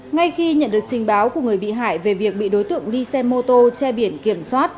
ngay khi nhận được trình báo của người bị hại về việc bị đối tượng đi xe mô tô che biển kiểm soát